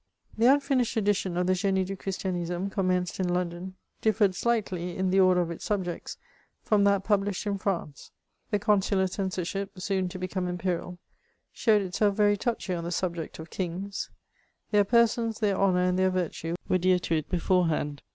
The unfinished edition of the Ginie du CTiristianiitne, com menced in London, di£Pered slightly, in the order of its subjects, from that published in France. The Consular censorship, soon to become Imperial, showed itself very touchy on the subject of king^ ; their persons, their honour, and their virtue, were dear to it beforehand.